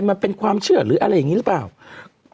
มันเป็นความเชื่อหรืออะไรอย่างนี้หรือเปล่า